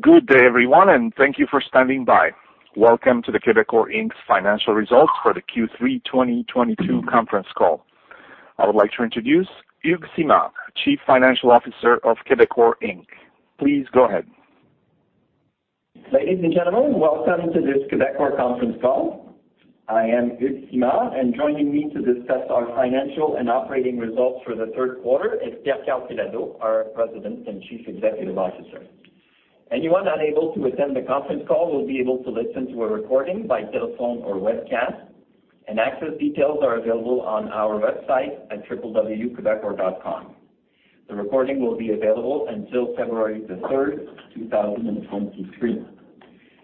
Good day, everyone, and thank you for standing by. Welcome to the Quebecor Inc's financial results for the Q3 2022 conference call. I would like to introduce Hugues Simard, Chief Financial Officer of Quebecor Inc. Please go ahead. Ladies and gentlemen, welcome to this Quebecor conference call. I am Hugues Simard, and joining me to discuss our financial and operating results for the third quarter is Pierre Karl Péladeau, our President and Chief Executive Officer. Anyone unable to attend the conference call will be able to listen to a recording by telephone or webcast, and access details are available on our website at www.quebecor.com. The recording will be available until February 3rd, 2023.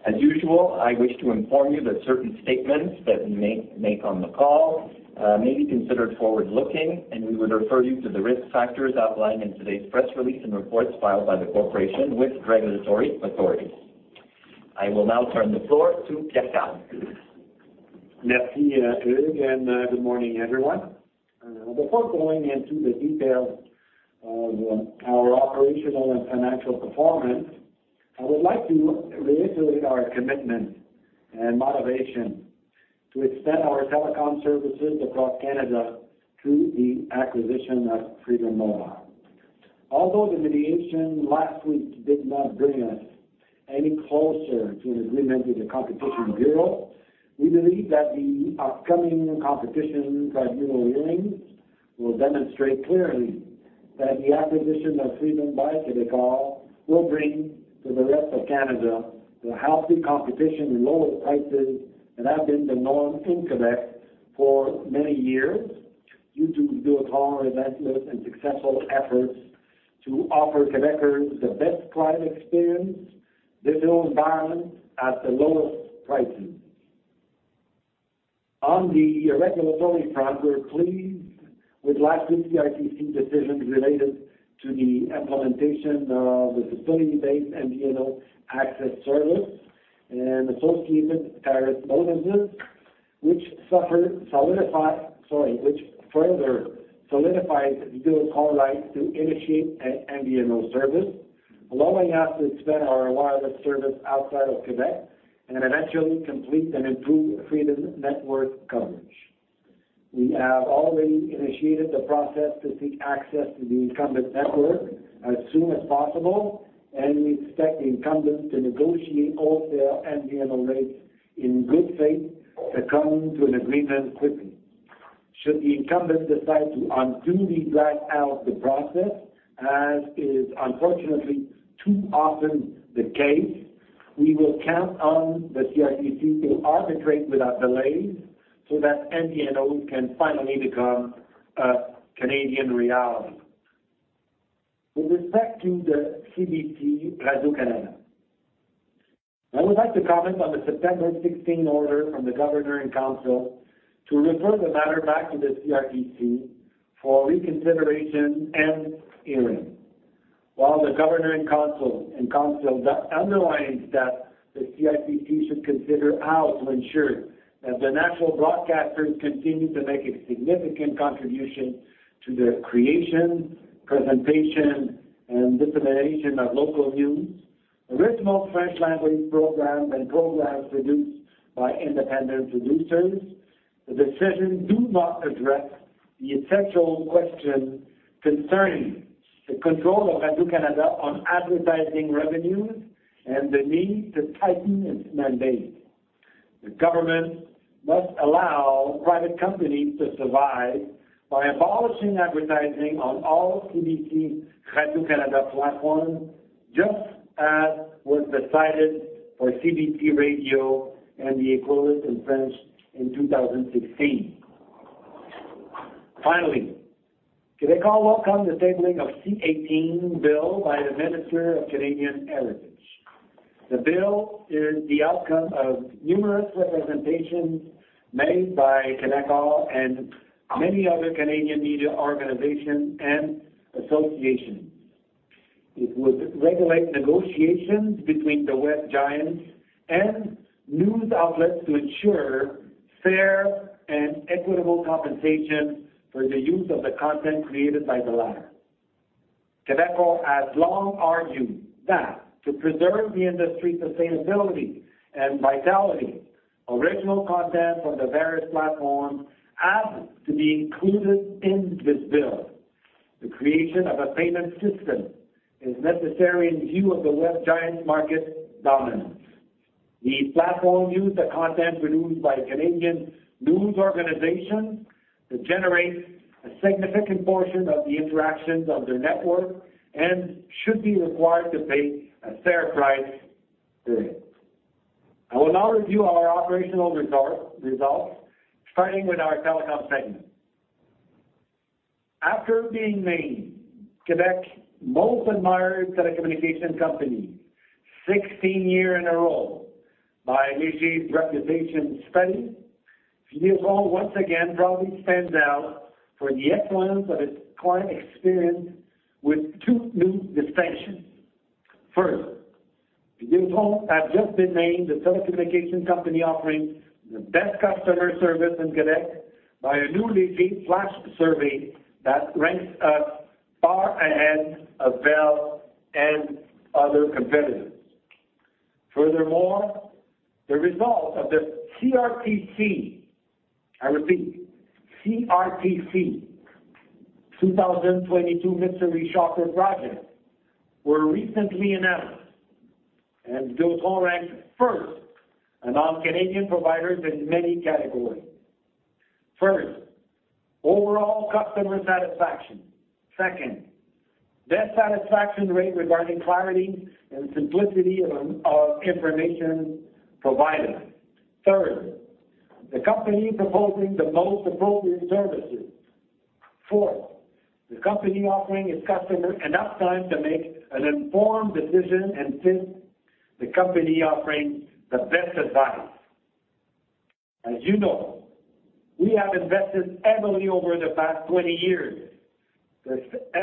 As usual, I wish to inform you that certain statements that we may make on the call may be considered forward-looking, and we would refer you to the risk factors outlined in today's press release and reports filed by the corporation with regulatory authorities. I will now turn the floor to Pierre Karl. Merci, Hugues, and good morning, everyone. Before going into the details of our operational and financial performance, I would like to reiterate our commitment and motivation to extend our telecom services across Canada through the acquisition of Freedom Mobile. Although the mediation last week did not bring us any closer to an agreement with the Competition Bureau, we believe that the upcoming Competition Tribunal hearings will demonstrate clearly that the acquisition of Freedom by Quebecor will bring to the rest of Canada the healthy competition and lower prices that have been the norm in Quebec for many years due to Vidéotron's relentless and successful efforts to offer Quebecers the best client experience with its own brand at the lowest prices. On the regulatory front, we're pleased with last week's CRTC decisions related to the implementation of the facility-based MVNO access service and associated tariff amendments, which further solidify. Sorry, which further solidifies Vidéotron's right to initiate an MVNO service, allowing us to expand our wireless service outside of Quebec and eventually complete and improve Freedom network coverage. We have already initiated the process to seek access to the incumbent network as soon as possible, and we expect the incumbents to negotiate wholesale MVNO rates in good faith to come to an agreement quickly. Should the incumbents decide to unduly drag out the process, as is unfortunately too often the case, we will count on the CRTC to arbitrate without delay so that MVNO can finally become a Canadian reality. With respect to the CBC/Radio-Canada, I would like to comment on the September 16 order from the Governor in Council to refer the matter back to the CRTC for reconsideration and hearing. While the Governor in Council underlines that the CRTC should consider how to ensure that the national broadcasters continue to make a significant contribution to the creation, presentation, and dissemination of local news, original French language programs and programs produced by independent producers. The decisions do not address the essential question concerning the control of Radio-Canada on advertising revenues and the need to tighten its mandate. The government must allow private companies to survive by abolishing advertising on all CBC/Radio-Canada platforms, just as was decided for CBC Radio and the equivalent in French in 2016. Finally, Quebecor welcomes the tabling of Bill C-18 by the Minister of Canadian Heritage. The bill is the outcome of numerous representations made by Quebecor and many other Canadian media organizations and associations. It would regulate negotiations between the web giants and news outlets to ensure fair and equitable compensation for the use of the content created by the latter. Quebecor has long argued that to preserve the industry's sustainability and vitality, original content on the various platforms has to be included in this bill. The creation of a payment system is necessary in view of the web giants' market dominance. These platforms use the content produced by Canadian news organizations to generate a significant portion of the interactions of their network and should be required to pay a fair price for it. I will now review our operational results, starting with our Telecom segment. After being named Quebec's most admired telecommunications company 16 years in a row by Léger's Reputation study, Vidéotron once again proudly stands out for the excellence of its client experience with two new distinctions. First, Vidéotron has just been named the telecommunication company offering the best customer service in Quebec by a Léger survey that ranks us far ahead of Bell and other competitors. Furthermore, the results of the CRTC, I repeat CRTC 2022 mystery shopper project were recently announced, and Vidéotron ranked first among Canadian providers in many categories. First, overall customer satisfaction. Second, best satisfaction rate regarding clarity and simplicity of information provided. Third, the company proposing the most appropriate services. Fourth, the company offering its customers enough time to make an informed decision, and fifth, the company offering the best advice. As you know, we have invested heavily over the past 20 years to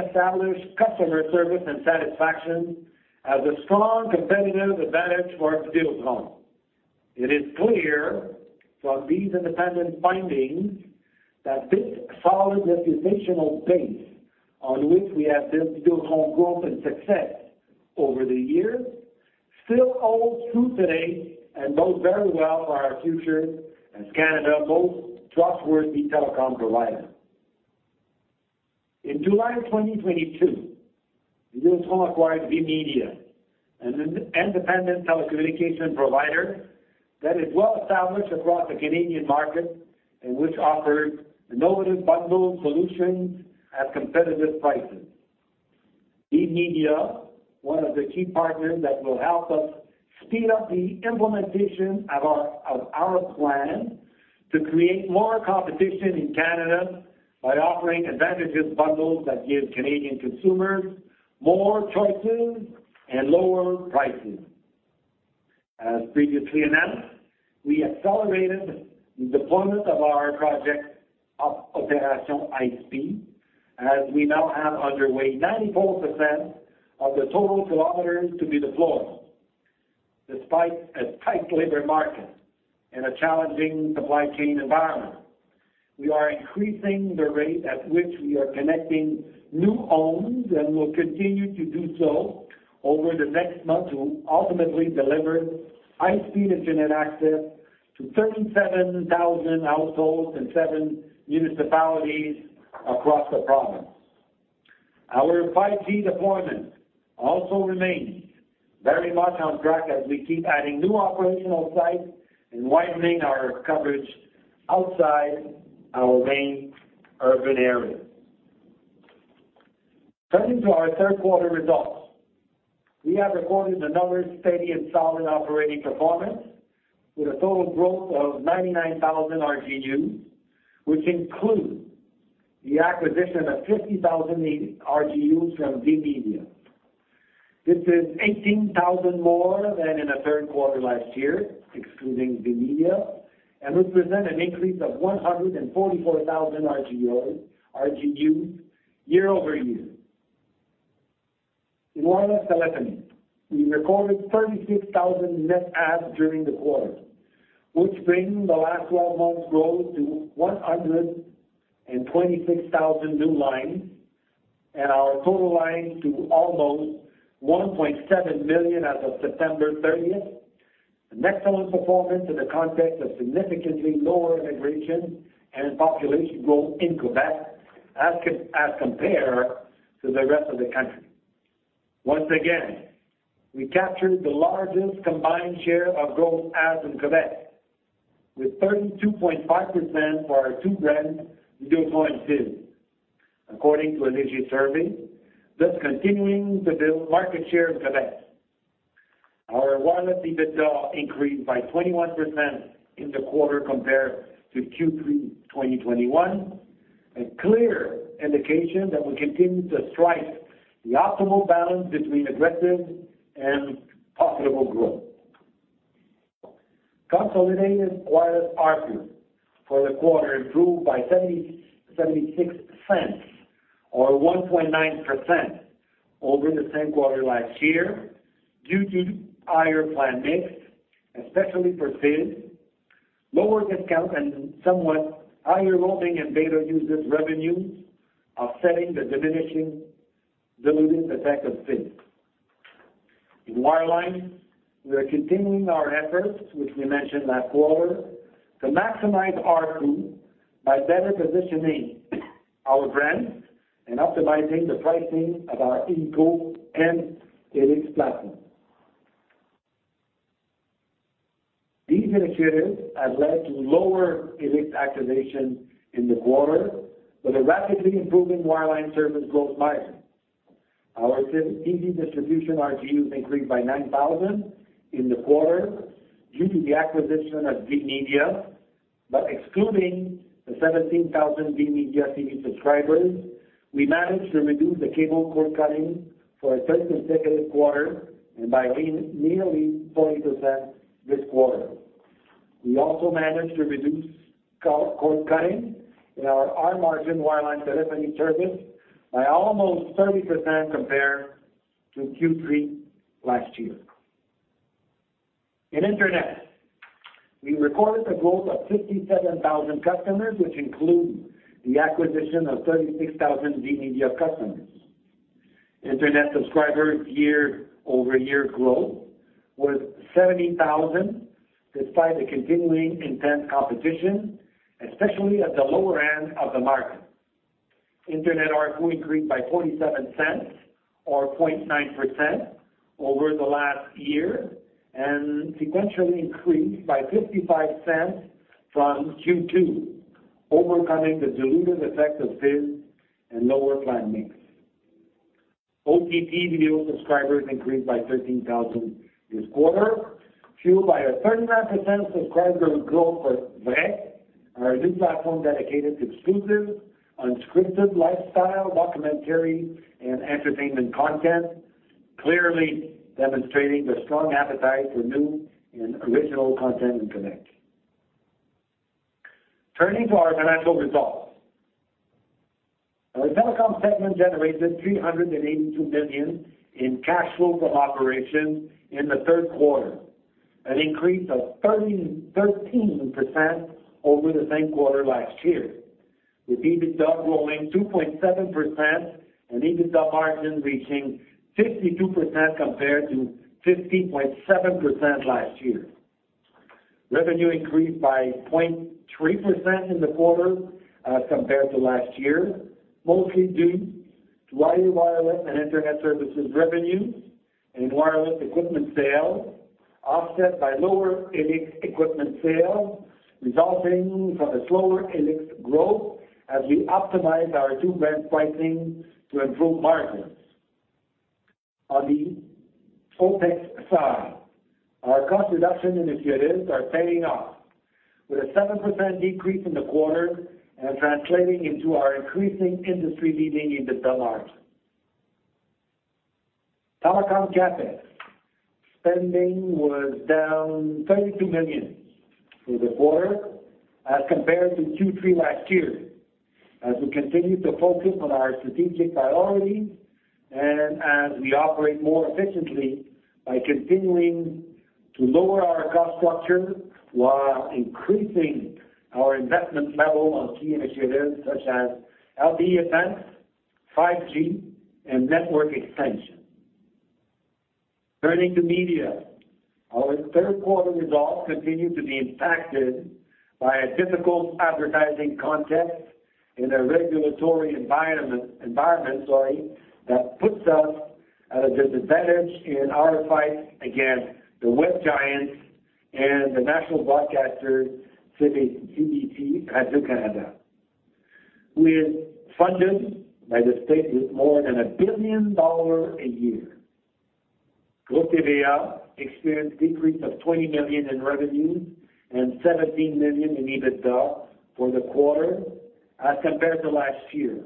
establish customer service and satisfaction as a strong competitive advantage for Vidéotron. It is clear from these independent findings that this solid reputational base on which we have built Vidéotron growth and success over the years still holds true today and bodes very well for our future as Canada's most trustworthy telecom provider. In July 2022, Vidéotron acquired VMedia, an independent telecommunications provider that is well-established across the Canadian market and which offers innovative bundle solutions at competitive prices. VMedia, one of the key partners that will help us speed up the implementation of our plan to create more competition in Canada by offering advantageous bundles that give Canadian consumers more choices and lower prices. As previously announced, we accelerated the deployment of our project Operation High Speed, as we now have underway 94% of the total kilometers to be deployed. Despite a tight labor market and a challenging supply chain environment, we are increasing the rate at which we are connecting new homes and will continue to do so over the next month to ultimately deliver high-speed internet access to 37,000 households in seven municipalities across the province. Our 5G deployment also remains very much on track as we keep adding new operational sites and widening our coverage outside our main urban areas. Turning to our third quarter results. We have recorded another steady and solid operating performance with a total growth of 99,000 RGUs, which include the acquisition of 50,000 RGUs from VMedia. This is 18,000 more than in the third quarter last year, excluding VMedia, and represent an increase of 144,000 RGUs year-over-year. In wireless telephony, we recorded 36,000 net adds during the quarter, which bring the last 12 months growth to 126,000 new lines, and our total lines to almost 1.7 million as of September 30th. An excellent performance in the context of significantly lower immigration and population growth in Quebec as compared to the rest of the country. Once again, we captured the largest combined share of growth adds in Quebec with 32.5% for our two brands, Vidéotron and Fizz, according to a recent survey, thus continuing to build market share in Quebec. Our wireless EBITDA increased by 21% in the quarter compared to Q3 2021, a clear indication that we continue to strike the optimal balance between aggressive and profitable growth. Consolidated wireless ARPU for the quarter improved by 0.76 or 1.9% over the same quarter last year due to higher plan mix, especially for Vid, lower discount and somewhat higher roaming and data usage revenues, offsetting the diminishing diluting effect of Vid. In wireline, we are continuing our efforts, which we mentioned last quarter, to maximize ARPU by better positioning our brands and optimizing the pricing of our illico and Helix platform. These initiatives have led to lower Helix activation in the quarter with a rapidly improving wireline service growth margin. Our Vid TV distribution RGUs increased by 9,000 in the quarter due to the acquisition of VMedia. Excluding the 17,000 VMedia TV subscribers, we managed to reduce the cable cord-cutting for the third consecutive quarter and by nearly 40% this quarter. We also managed to reduce cord-cutting in our margin wireline telephone service by almost 30% compared to Q3 last year. In Internet, we recorded a growth of 67,000 customers, which include the acquisition of 36,000 VMedia customers. Internet subscribers year-over-year growth was 70,000 despite the continuing intense competition, especially at the lower end of the market. Internet ARPU increased by 0.47 or 0.9% over the last year and sequentially increased by 0.55 from Q2, overcoming the dilutive effect of Fizz and lower plan mix. OTT video subscribers increased by 13,000 this quarter, fueled by a 39% subscriber growth for Vrai, our new platform dedicated to exclusive, unscripted lifestyle, documentary, and entertainment content, clearly demonstrating the strong appetite for new and original content in Quebec. Turning to our financial results. Our Telecom segment generated 382 million in cash flow from operations in the third quarter, an increase of 13% over the same quarter last year, with EBITDA growing 2.7% and EBITDA margin reaching 52% compared to 15.7% last year. Revenue increased by 0.3% in the quarter, compared to last year, mostly due to higher wireless and Internet services revenue and wireless equipment sales, offset by lower Helix equipment sales, resulting from the slower Helix growth as we optimize our two brand pricing to improve margins. On the OpEx side, our cost reduction initiatives are paying off with a 7% decrease in the quarter and translating into our increasing industry-leading EBITDA margin. Telecom CapEx spending was down 32 million for the quarter as compared to Q3 last year, as we continue to focus on our strategic priorities and as we operate more efficiently by continuing to lower our cost structure while increasing our investment level on key initiatives such as LTE Advanced, 5G, and network expansion. Turning to media. Our third quarter results continued to be impacted by a difficult advertising context in a regulatory environment that puts us at a disadvantage in our fight against the web giants and the national broadcaster CBC/Radio-Canada, who is funded by the state with more than 1 billion dollars a year. Groupe TVA experienced decrease of 20 million in revenue and 17 million in EBITDA for the quarter as compared to last year.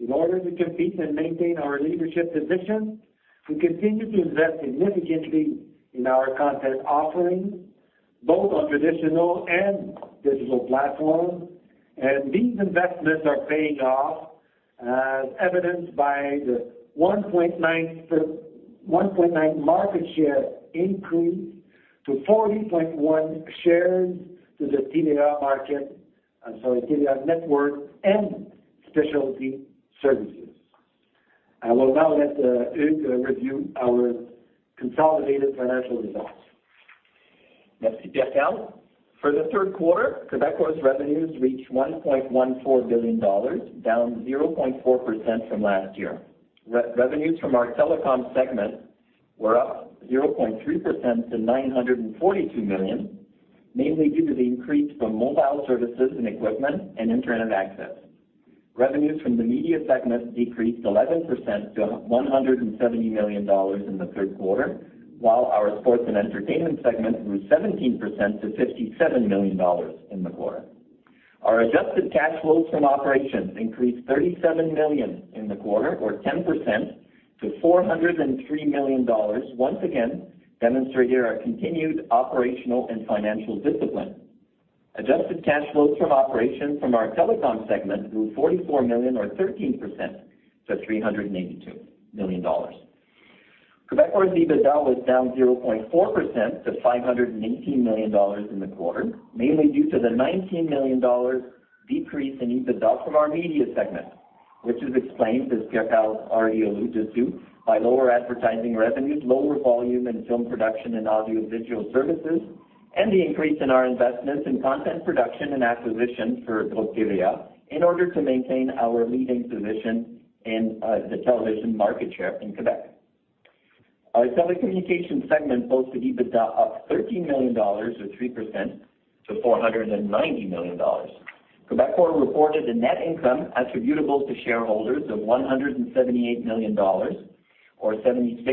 In order to compete and maintain our leadership position, we continue to invest significantly in our content offerings, both on traditional and digital platforms. These investments are paying off, as evidenced by the 1.9% market share increase to 40.1% share of the TVA market, I'm sorry, TVA network and specialty services. I will now let Hugues review our consolidated financial results. Merci, Pierre Karl. For the third quarter, Quebecor's revenues reached 1.14 billion dollars, down 0.4% from last year. Revenues from our Telecom segment were up 0.3% to 942 million, mainly due to the increase from mobile services and equipment and Internet access. Revenues from the Media segment decreased 11% to 170 million dollars in the third quarter, while our Sports and Entertainment segment grew 17% to 57 million dollars in the quarter. Our adjusted cash flows from operations increased 37 million in the quarter or 10% to 403 million dollars, once again demonstrating our continued operational and financial discipline. Adjusted cash flows from operations from our Telecom segment grew 44 million or 13% to 382 million dollars. Quebecor's EBITDA was down 0.4% to 518 million dollars in the quarter, mainly due to the 19 million dollar decrease in EBITDA from our Media segment, which is explained, as Pierre Karl already alluded to, by lower advertising revenues, lower volume in film production and audiovisual services, and the increase in our investments in content production and acquisition for Groupe TVA in order to maintain our leading position in the television market share in Quebec. Our Telecommunications segment posted EBITDA up 13 million dollars or 3% to 490 million dollars. Quebecor reported a net income attributable to shareholders of 178 million dollars or 0.76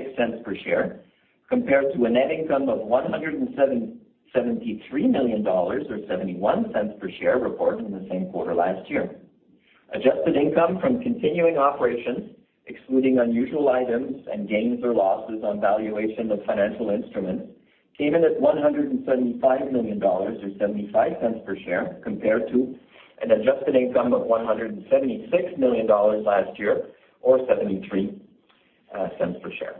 per share, compared to a net income of 173 million dollars or 0.71 per share reported in the same quarter last year. Adjusted income from continuing operations, excluding unusual items and gains or losses on valuation of financial instruments, came in at 175 million dollars or 0.75 per share compared to an adjusted income of 176 million dollars last year or 0.73 per share.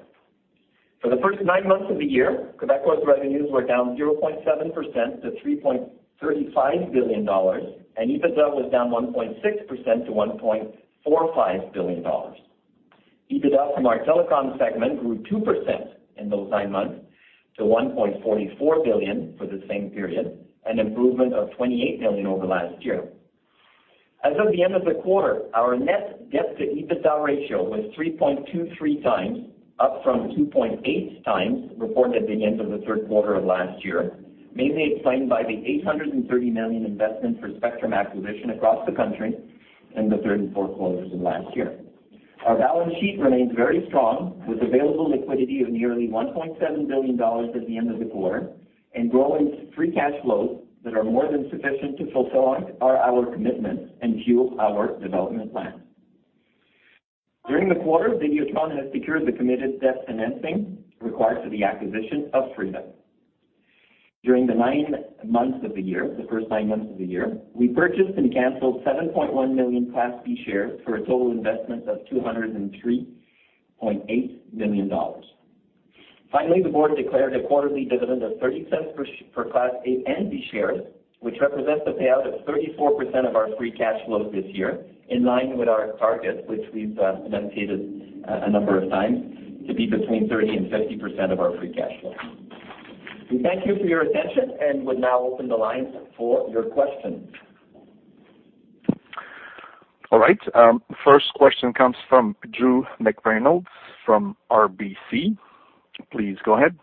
For the first nine months of the year, Quebecor's revenues were down 0.7% to 3.35 billion dollars, and EBITDA was down 1.6% to 1.45 billion dollars. EBITDA from our Telecom segment grew 2% in those nine months to 1.44 billion for the same period, an improvement of 28 million over last year. As of the end of the quarter, our net debt-to-EBITDA ratio was 3.23x, up from 2.8x reported at the end of the third quarter of last year, mainly explained by the 830 million investment for spectrum acquisition across the country in the third and fourth quarters of last year. Our balance sheet remains very strong, with available liquidity of nearly 1.7 billion dollars at the end of the quarter and growing free cash flows that are more than sufficient to fulfill on our commitments and fuel our development plans. During the quarter, Vidéotron has secured the committed debt financing required for the acquisition of Freedom. During the first nine months of the year, we purchased and canceled 7.1 million Class B shares for a total investment of 203.8 million dollars. Finally, the board declared a quarterly dividend of 0.30 per Class A and B shares, which represents a payout of 34% of our free cash flow this year, in line with our target, which we've indicated a number of times to be between 30% and 50% of our free cash flow. We thank you for your attention and would now open the line for your questions. All right. First question comes from Drew McReynolds from RBC. Please go ahead.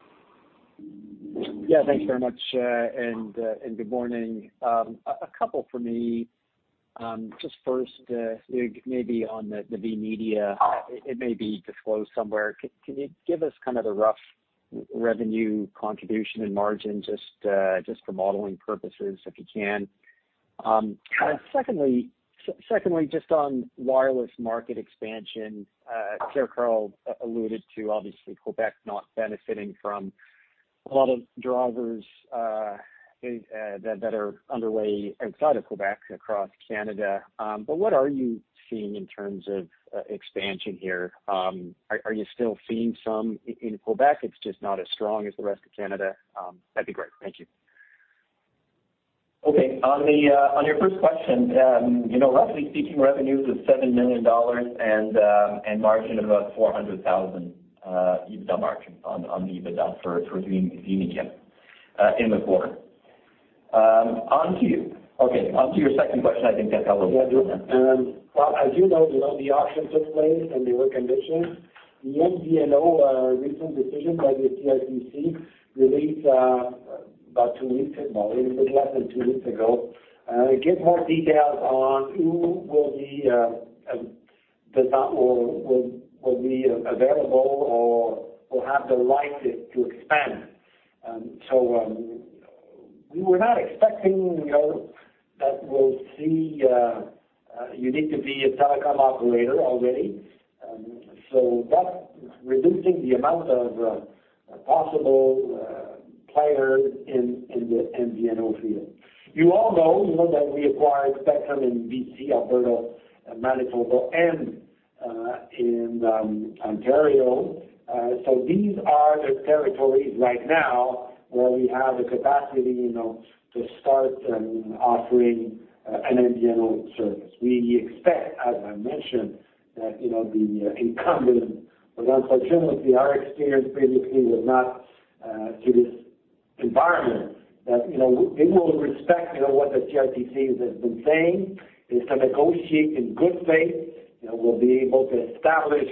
Yeah, thanks very much and good morning. A couple for me. Just first, maybe on the VMedia. It may be disclosed somewhere. Can you give us kind of the rough revenue contribution and margin just for modeling purposes, if you can? Secondly, just on wireless market expansion, Pierre Karl alluded to obviously Quebec not benefiting from a lot of drivers that are underway outside of Quebec, across Canada. What are you seeing in terms of expansion here? Are you still seeing some in Quebec, it's just not as strong as the rest of Canada? That'd be great. Thank you. Okay. On your first question, you know, roughly speaking, revenues of 7 million dollars and margin of about 400,000, EBITDA margin on the EBITDA for VMedia in the quarter. On to you. Okay, on to your second question, I think that's for Pierre Karl. Yeah. Well, as you know, you know, the auction took place and there were conditions. The recent MVNO decision by the CRTC released about two weeks ago gives more details on who will be available or will have the right to expand. We were not expecting that we'll see you need to be a telecom operator already. That's reducing the amount of possible players in the MVNO field. You all know that we acquired spectrum in BC, Alberta, Manitoba, and in Ontario. These are the territories right now where we have the capacity to start offering an MVNO service. We expect, as I mentioned, that, you know, the incumbent, Bell, for example, with our experience previously with them to this environment that, you know, they will respect, you know, what the CRTC has been saying, is to negotiate in good faith. You know, we'll be able to establish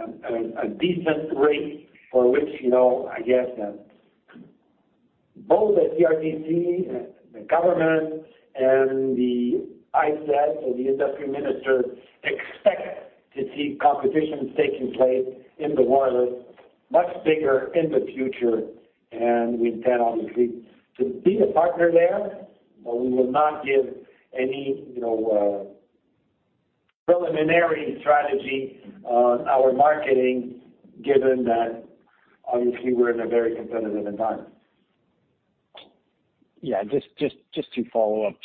a decent rate for which, you know, I guess, both the CRTC, the government and the ISED or the industry minister expect to see competition taking place in the wireless much bigger in the future. We intend, obviously, to be a partner there, but we will not give any, you know, preliminary strategy on our marketing given that obviously we're in a very competitive environment. Yeah. Just two follow-ups,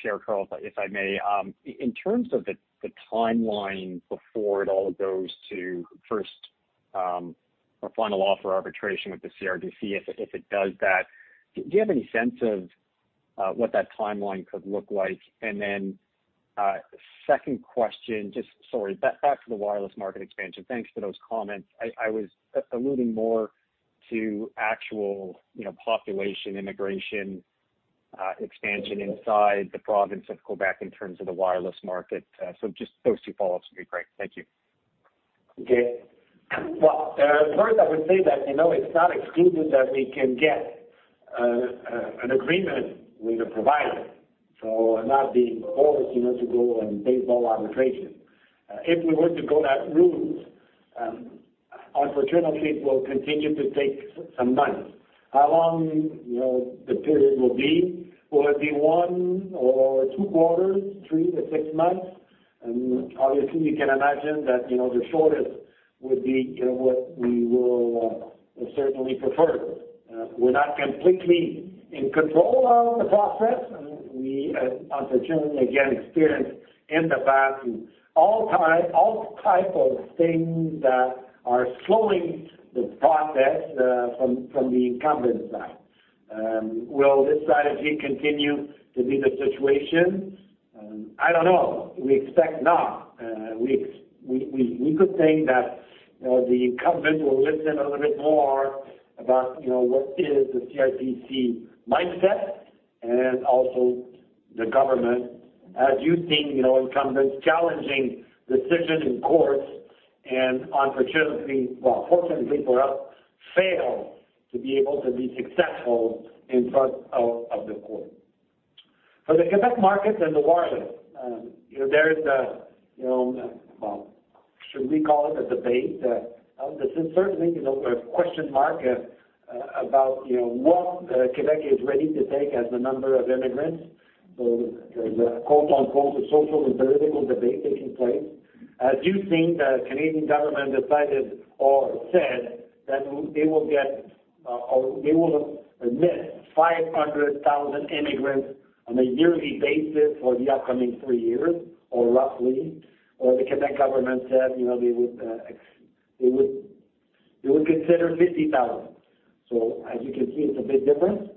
Pierre Karl, if I may. In terms of the timeline before it all goes to first or final offer arbitration with the CRTC, if it does that, do you have any sense of what that timeline could look like? Second question, just sorry, back to the wireless market expansion. Thanks for those comments. I was alluding more to actual, you know, population immigration, expansion inside the province of Quebec in terms of the wireless market. Just those two follow-ups would be great. Thank you. Well, first, I would say that, you know, it's not exclusive that we can get an agreement with a provider, so not being forced, you know, to go and baseball arbitration. If we were to go that route, unfortunately, it will continue to take some months. How long, you know, the period will be? Will it be one or two quarters, three to six months? Obviously, you can imagine that, you know, the shortest would be, you know, what we will certainly prefer. We're not completely in control of the process. We, unfortunately, again, experienced in the past all types of things that are slowing the process from the incumbent side. Will this strategy continue to be the situation? I don't know. We expect not. We could think that, you know, the incumbent will listen a little bit more about, you know, what is the CRTC mindset and also the government, as you think, you know, incumbents challenging decisions in courts and unfortunately, well, fortunately for us, fail to be able to be successful in front of the court. For the Quebec market and the wireless, you know, there is a you know. Well, should we call it a debate? This is certainly, you know, a question mark about, you know, what Quebec is ready to take as the number of immigrants. There's a quote, unquote, "a social and political debate" taking place. As you think, the Canadian government decided or said that they will get or they will admit 500,000 immigrants on a yearly basis for the upcoming three years or roughly, or the Quebec government said, you know, they would consider 50,000. As you can see, it's a big difference.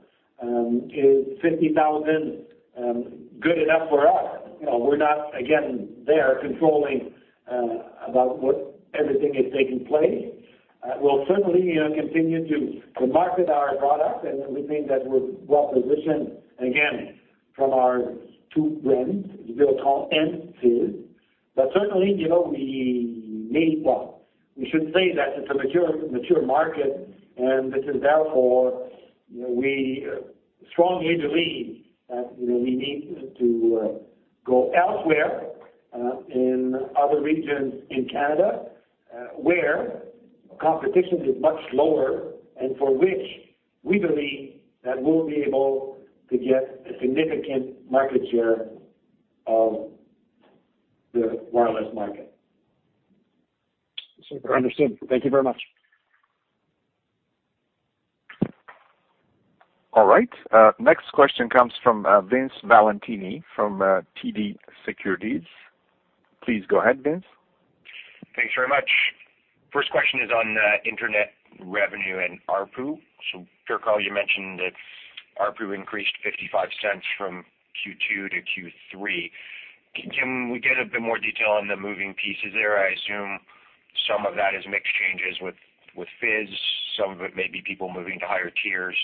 Is 50,000 good enough for us? You know, we're not, again, in control of what is taking place. We'll certainly, you know, continue to market our product, and we think that we're well-positioned, again, from our two brands, Vidéotron and Fizz. Certainly, you know, we may stop. We should say that it's a mature market, and this is therefore, you know, we strongly believe that, you know, we need to go elsewhere in other regions in Canada where competition is much lower and for which we believe that we'll be able to get a significant market share of the wireless market. Super. Understood. Thank you very much. All right. Next question comes from Vince Valentini from TD Securities. Please go ahead, Vince. Thanks very much. First question is on Internet revenue and ARPU. Pierre Karl, you mentioned that ARPU increased 0.55 from Q2 to Q3. Can we get a bit more detail on the moving pieces there? I assume some of that is mix changes with Fizz. Some of it may be people moving to higher tiers.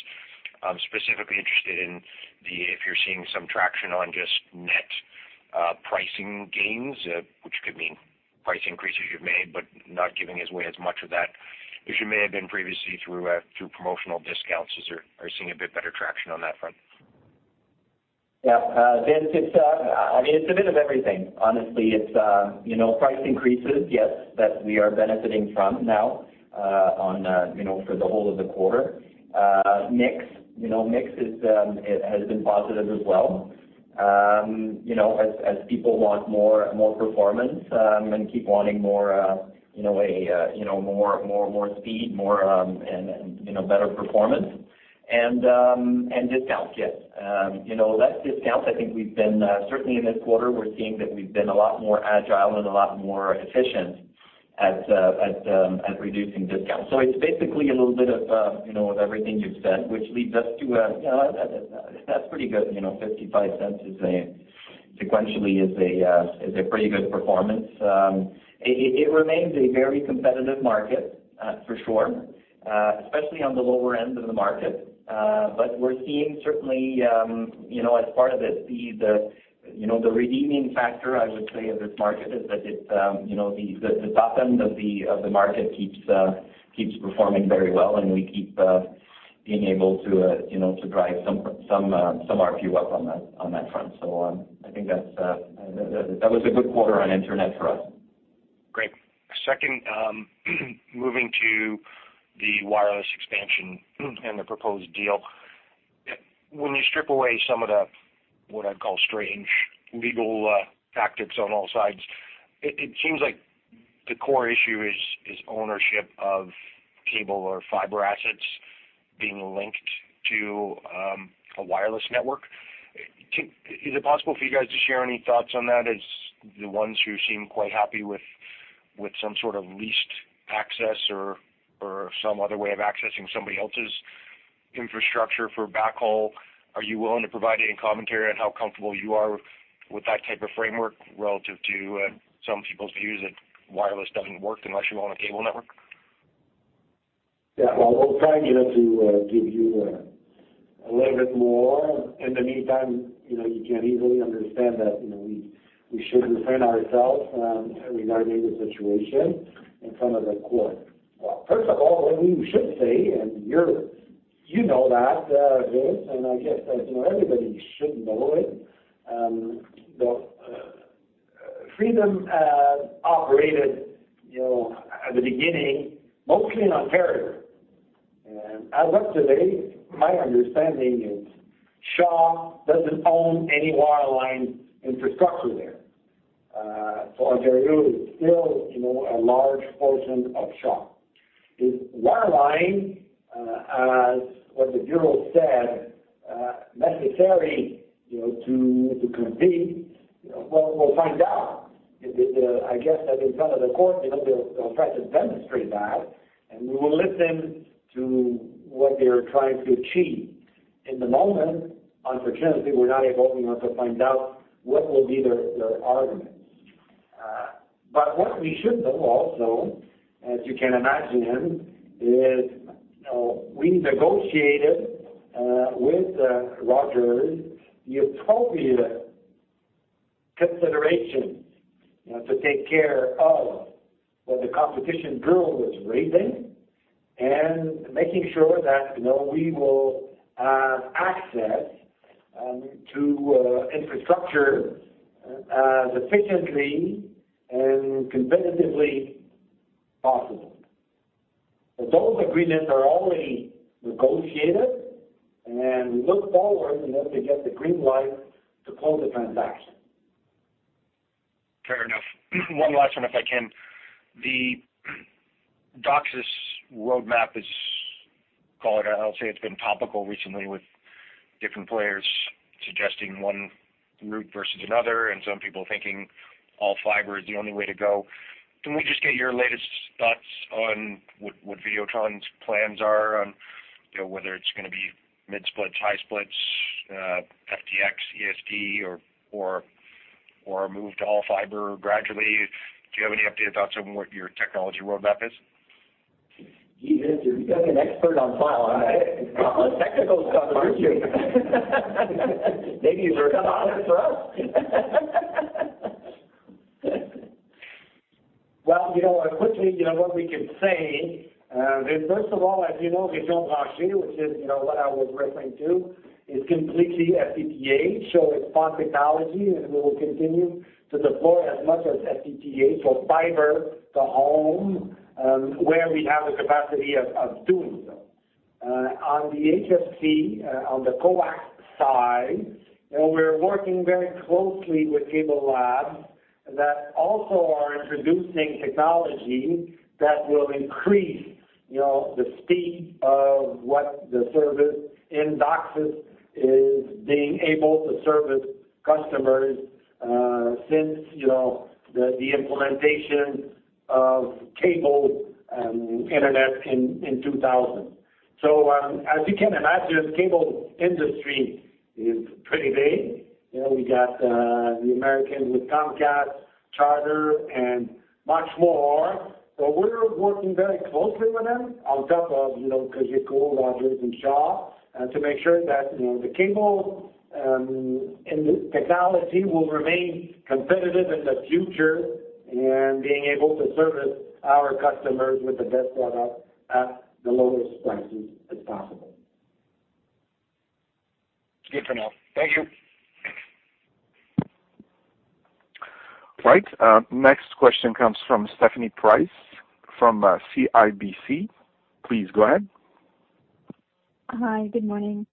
I'm specifically interested in if you're seeing some traction on just net pricing gains, which could mean price increases you've made, but not giving away as much of that as you may have been previously through promotional discounts. Are you seeing a bit better traction on that front? Yeah. Vince, it's a bit of everything, honestly. It's you know, price increases, yes, that we are benefiting from now, on you know, for the whole of the quarter. Mix, you know, is it has been positive as well. You know, as people want more performance and keep wanting more, you know, more speed, more and better performance. Discounts, yes. You know, less discounts, I think we've been certainly in this quarter, we're seeing that we've been a lot more agile and a lot more efficient at reducing discounts. It's basically a little bit of you know, of everything you've said, which leads us to you know, that's pretty good. You know, 0.55 is sequentially a pretty good performance. It remains a very competitive market, for sure, especially on the lower end of the market. But we're seeing certainly, you know, as part of the speed, the, you know, the redeeming factor, I would say of this market is that it's, you know, the top end of the, of the market keeps performing very well, and we keep being able to, you know, to drive some ARPU up on that front. I think that was a good quarter on internet for us. Great. Second, moving to the wireless expansion and the proposed deal. When you strip away some of the, what I'd call, strange legal tactics on all sides, it seems like the core issue is ownership of cable or fiber assets being linked to a wireless network. Is it possible for you guys to share any thoughts on that as the ones who seem quite happy with some sort of leased access or some other way of accessing somebody else's infrastructure for backhaul? Are you willing to provide any commentary on how comfortable you are with that type of framework relative to some people's views that wireless doesn't work unless you own a cable network? Yeah. Well, we'll try, you know, to give you a little bit more. In the meantime, you know, you can easily understand that, you know, we should defend ourselves regarding the situation in front of the court. Well, first of all, what we should say, and you're, you know that, Vince, and I guess that, you know, everybody should know it, Freedom operated, you know, at the beginning, mostly in Ontario. As of today, my understanding is Shaw doesn't own any wireline infrastructure there. So Ontario is still, you know, a large portion of Shaw. Is wireline, as what the Bureau said, necessary, you know, to compete? You know, well, we'll find out. I guess that in front of the court, you know, they'll try to demonstrate that, and we will listen to what they're trying to achieve. At the moment, unfortunately, we're not able, you know, to find out what will be their arguments. But what we should know also, as you can imagine, is, you know, we negotiated with Rogers the appropriate considerations, you know, to take care of what the Competition Bureau was raising and making sure that, you know, we will have access to infrastructure as efficiently and competitively possible. Those agreements are already negotiated, and we look forward, you know, to get the green light to close the transaction. Fair enough. One last one, if I can. The DOCSIS roadmap is called, and I'll say it's been topical recently with different players suggesting one route versus another, and some people thinking all fiber is the only way to go. Can we just get your latest thoughts on what Vidéotron's plans are on, you know, whether it's gonna be mid-splits, high splits, FTTX, ESD or move to all fiber gradually? Do you have any updated thoughts on what your technology roadmap is? Vince, you've got an expert on file on that. On the technical stuff, aren't you? Maybe you should comment on it for us. Well, you know, quickly, you know, what we can say is first of all, as you know, Réseau Branché, which is, you know, what I was referring to, is completely FTTH, so it's fiber technology, and we will continue to deploy as much as FTTH, so fiber to home, where we have the capacity of doing so. On the HFC, on the coax side, you know, we're working very closely with CableLabs that also are introducing technology that will increase, you know, the speed of what the service in DOCSIS is being able to service customers, since, you know, the implementation of cable internet in 2000. As you can imagine, the cable industry is pretty big. You know, we got the Americans with Comcast, Charter, and much more. We're working very closely with them on top of, you know, Cogeco, Rogers, and Shaw to make sure that, you know, the cable and the technology will remain competitive in the future and being able to service our customers with the best product at the lowest prices as possible. Good to know. Thank you. Right. Next question comes from Stephanie Price from CIBC. Please go ahead. Hi. Good morning.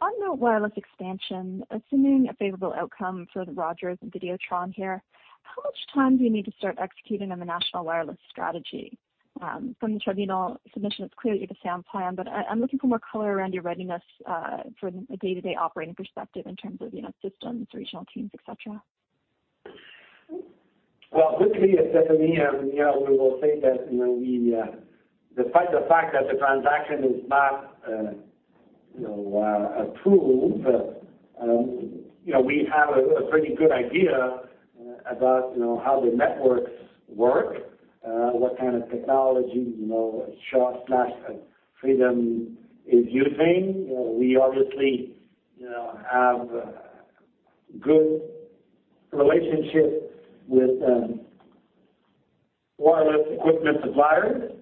On the wireless expansion, assuming a favorable outcome for the Rogers and Vidéotron here, how much time do you need to start executing on the national wireless strategy? From the tribunal submission, it's clear you have a sound plan, but I'm looking for more color around your readiness, from a day-to-day operating perspective in terms of, you know, systems, regional teams, et cetera. Well, quickly, Stephanie, you know, we will say that, you know, we despite the fact that the transaction is not, you know, approved, you know, we have a pretty good idea about, you know, how the networks work, what kind of technology, you know, Shaw/Freedom is using. We obviously, you know, have a good relationship with wireless equipment suppliers.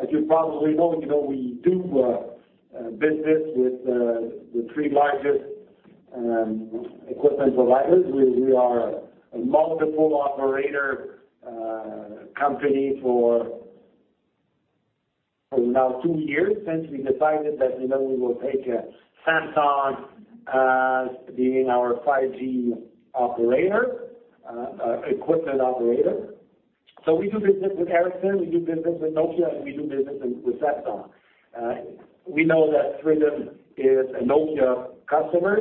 As you probably know, you know, we do business with the three largest equipment providers. We are a multiple operator company for now two years, since we decided that, you know, we will take Samsung being our 5G operator equipment operator. So we do business with Ericsson, we do business with Nokia, and we do business with Samsung. We know that Freedom is a Nokia customer,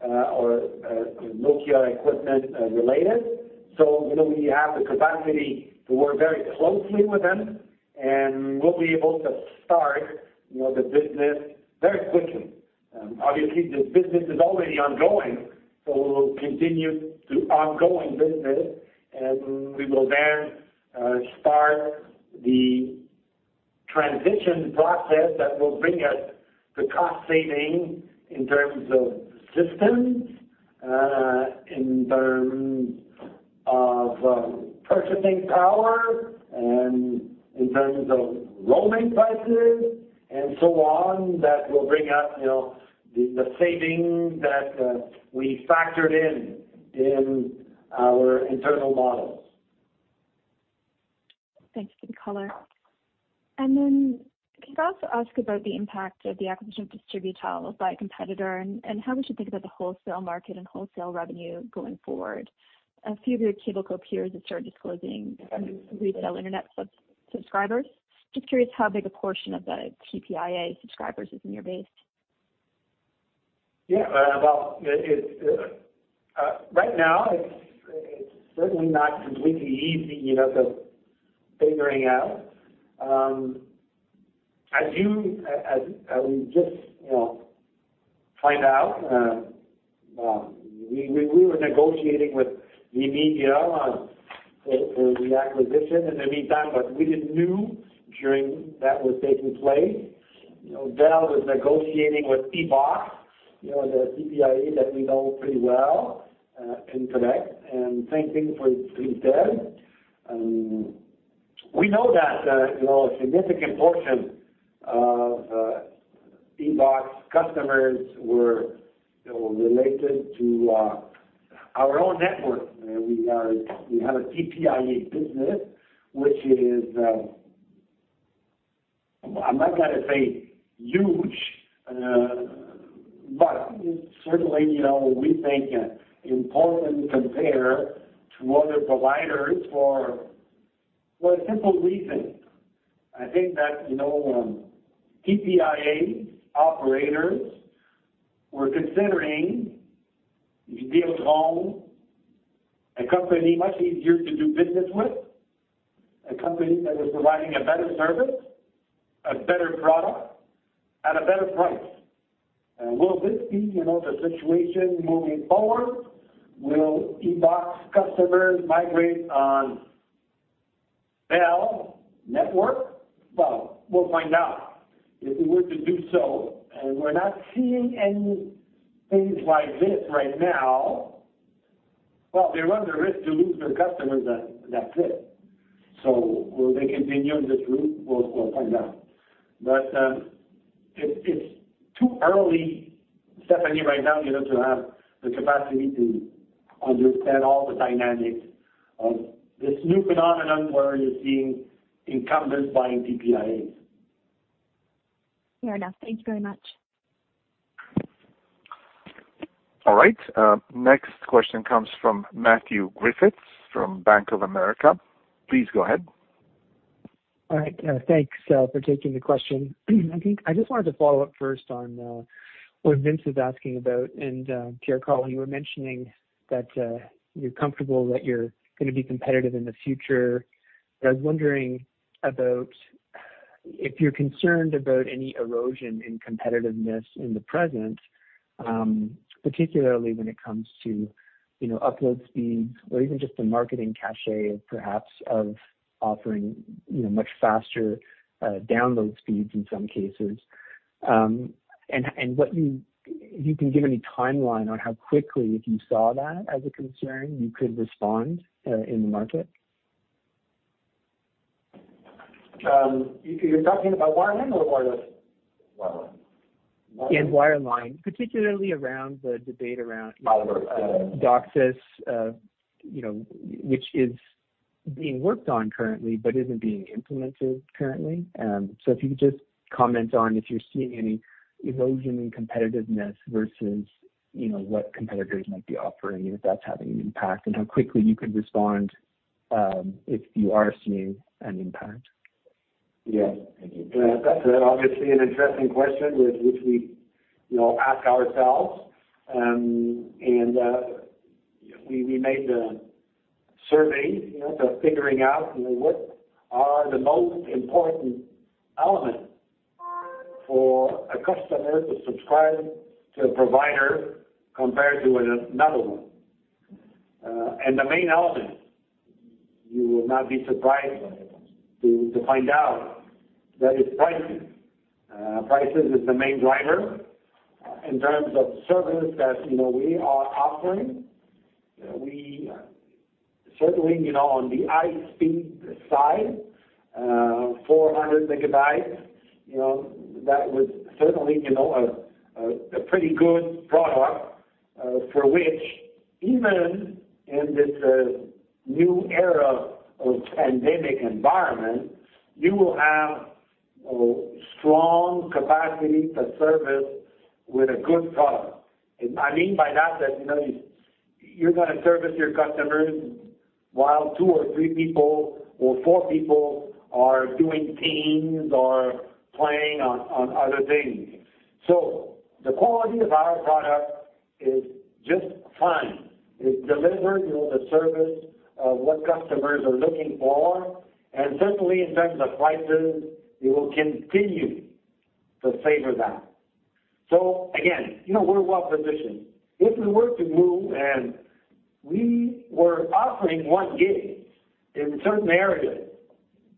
or Nokia equipment related. You know, we have the capacity to work very closely with them, and we'll be able to start, you know, the business very quickly. Obviously this business is already ongoing. We will continue the ongoing business, and we will then start the transition process that will bring us the cost savings in terms of systems, in terms of purchasing power, and in terms of roaming prices and so on, that will bring us, you know, the savings that we factored in our internal models. Thanks for the color. Then can I also ask about the impact of the acquisition of Distributel by a competitor and how we should think about the wholesale market and wholesale revenue going forward? A few of your cable co-peers have started disclosing retail Internet subscribers. Just curious how big a portion of the TPIA subscribers is in your base? Yeah. Well, right now, it's certainly not completely easy, you know, to figuring out. As we just found out, we were negotiating with VMedia on the acquisition. In the meantime, what we didn't know during that was taking place, you know, Bell was negotiating with EBOX, you know, the TPIA that we know pretty well in Quebec and same thing for Distributel. We know that, you know, a significant portion of EBOX customers were, you know, related to our own network. We have a TPIA business, which is, I'm not gonna say huge, but certainly, you know, we think important compared to other providers for a simple reason. I think that, you know, TPIA operators were considering if you build a home, a company much easier to do business with, a company that was providing a better service, a better product at a better price. Will this be, you know, the situation moving forward? Will EBOX customers migrate to the Bell network? Well, we'll find out. If we were to do so, and we're not seeing anything like this right now, well, they run the risk to lose their customers and that's it. Will they continue this route? We'll find out. It's too early, Stephanie, right now, you know, to have the capacity to understand all the dynamics of this new phenomenon where you're seeing incumbents buying TPIAs. Fair enough. Thank you very much. All right. Next question comes from Matthew Griffiths from Bank of America. Please go ahead. All right. Thanks for taking the question. I think I just wanted to follow up first on what Vince was asking about. Pierre Karl, you were mentioning that you're comfortable that you're gonna be competitive in the future. I was wondering if you're concerned about any erosion in competitiveness in the present, particularly when it comes to, you know, upload speeds or even just the marketing cachet, perhaps of offering, you know, much faster download speeds in some cases. And if you can give any timeline on how quickly, if you saw that as a concern, you could respond in the market. You're talking about wireline or wireless? Wireline. In wireline, particularly around the debate around DOCSIS, you know, which is being worked on currently but isn't being implemented currently. If you could just comment on if you're seeing any erosion in competitiveness versus, you know, what competitors might be offering, if that's having an impact, and how quickly you could respond, if you are seeing an impact. Yeah. That's obviously an interesting question which we, you know, ask ourselves. We made a survey, you know, to figuring out, you know, what are the most important elements for a customer to subscribe to a provider compared to another one. The main element, you will not be surprised by it, to find out that it's pricing. Pricing is the main driver. In terms of service that, you know, we are offering, we certainly, you know, on the high-speed side, 400 Mbps, you know, that was certainly, you know, a pretty good product, for which even in this new era of pandemic environment, you will have a strong capacity to service with a good product. I mean by that you know, you're gonna service your customers while two or three people or four people are doing Teams or playing on other things. The quality of our product is just fine. It delivers, you know, the service of what customers are looking for. Certainly in terms of prices, we will continue to favor that. Again, you know, we're well-positioned. If we were to move and we were offering 1 Gb in certain areas,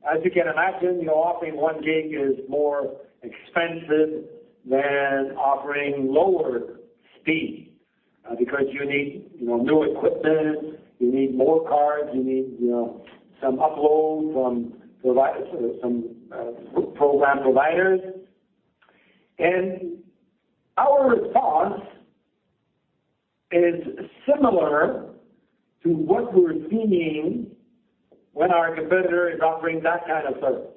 as you can imagine, you know, offering 1 Gb is more expensive than offering lower speed. Because you need, you know, new equipment, you need more cards, you need, you know, some upload from some program providers. Our response is similar to what we're seeing when our competitor is offering that kind of service.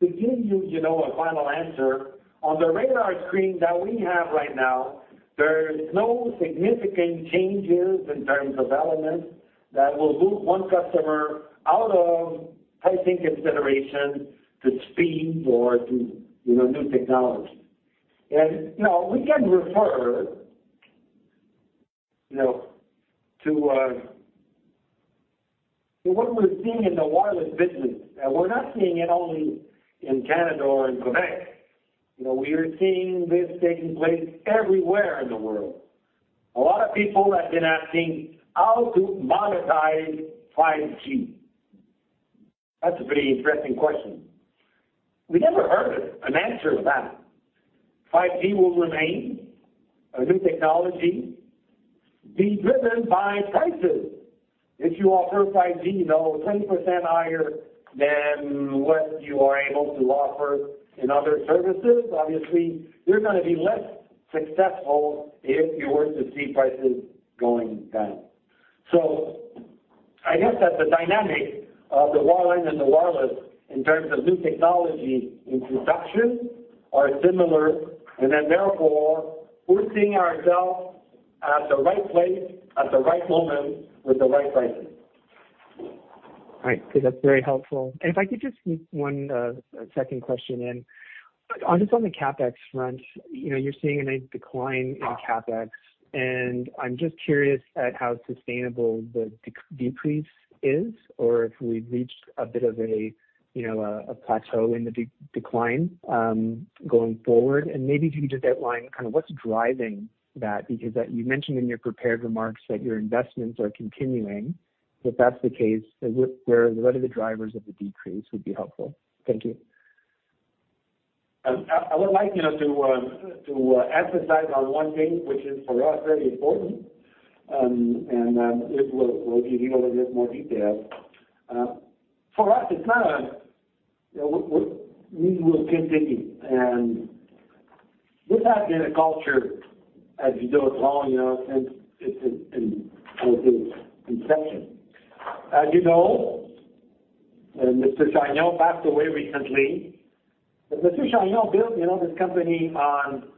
To give you know, a final answer on the radar screen that we have right now, there is no significant changes in terms of elements that will move one customer out of, I think, consideration to speed or to, you know, new technology. You know, we can refer, you know, to what we're seeing in the wireless business. We're not seeing it only in Canada or in Quebec. You know, we are seeing this taking place everywhere in the world. A lot of people have been asking how to monetize 5G. That's a pretty interesting question. We never heard an answer to that. 5G will remain a new technology being driven by prices. If you offer 5G, you know, 20% higher than what you are able to offer in other services, obviously you're gonna be less successful if you were to see prices going down. I guess that the dynamic of the wired and the wireless in terms of new technology introduction are similar. Then therefore, we're seeing ourselves at the right place at the right moment with the right pricing. All right, that's very helpful. If I could just sneak one second question in. On the CapEx front, you know, you're seeing a nice decline in CapEx, and I'm just curious at how sustainable the decrease is or if we've reached a bit of a, you know, a plateau in the decline, going forward. Maybe if you could just outline kind of what's driving that, because you mentioned in your prepared remarks that your investments are continuing. If that's the case, what are the drivers of the decrease would be helpful. Thank you. I would like, you know, to emphasize on one thing, which is for us very important. We will give you a little bit more detail. For us, it's not, you know, we will continue. This has been a culture, as you know, as long, you know, since it's in, I would say, inception. As you know, André Chagnon passed away recently. André Chagnon built, you know, this company on